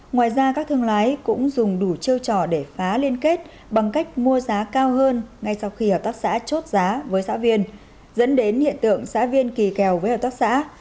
ngoài ra các thương lái cũng dùng đủ chiêu trò để phá liên kết bằng cách mua giá cao hơn ngay sau khi hợp tác xã chốt giá với xã viên dẫn đến hiện tượng xã viên kỳ kèo với hợp tác xã